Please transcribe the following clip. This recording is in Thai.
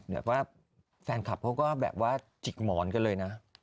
แบบว่าแฟนคลับเขาก็แบบว่าจิกหมอนกันเลยนะ